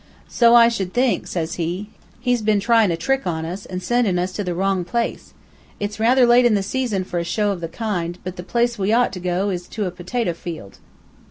"'So I should think,' says he. 'He's been tryin' a trick on us, and sendin' us to the wrong place. It's rather late in the season for a show of the kind, but the place we ought to go to is a potato field.'